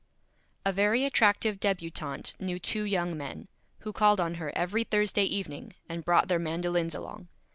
A very attractive Débutante knew two Young Men, who called on her every Thursday Evening and brought their Mandolins along.